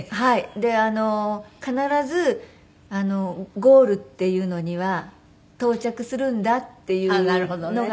で必ずゴールっていうのには到着するんだっていうのが。